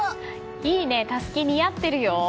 いいね、たすき似合ってるよ！